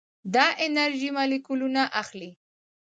دا انرژي مالیکولونه اخلي.